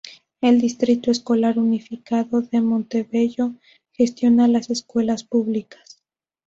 El Distrito Escolar Unificado de Montebello gestiona las escuelas públicas.